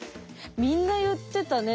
みんな言ってたね。